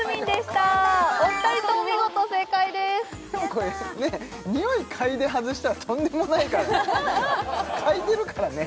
これね匂い嗅いで外したらとんでもないからね